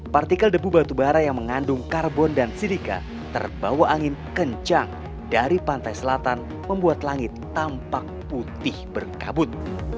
partikel debu batubara yang mengandung karbon dan sirika terbawa angin kencang dari pantai selatan membuat langit tampak putih berkabut